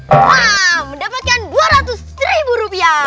wow mendapatkan dua ratus ribu rupiah